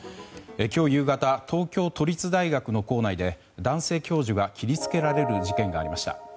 今日夕方、東京都立大学の校内で男性教授が切りつけられる事件がありました。